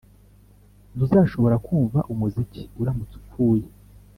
ntuzashobora kumva umuziki uramutse upfuye.